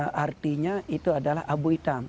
ya artinya itu adalah abu hitam